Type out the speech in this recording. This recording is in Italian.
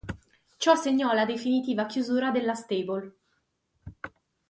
Ciò segnò la definitiva chiusura della stable.